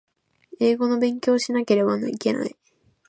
英語の勉強をしなければいけない